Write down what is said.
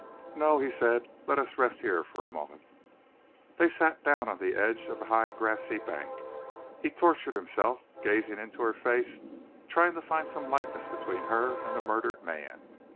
"No!" he said. "Let us rest here for a moment." They sat down on the edge of the high, grassy bank. He tortured himself, gazing into her face, trying to find some likeness between her and the murdered man.